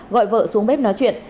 gọi vợ xuống bếp nói chuyện